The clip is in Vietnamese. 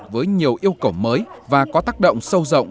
với nhiều yêu cầu mới và có tác động sâu rộng